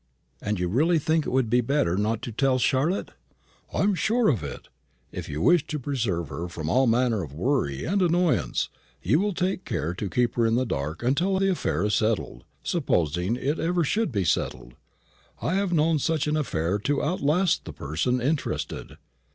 "And you really think it would be better not to tell Charlotte?" "I am sure of it. If you wish to preserve her from all manner of worry and annoyance, you will take care to keep her in the dark until the affair is settled supposing it ever should be settled. I have known such an affair to outlast the person interested."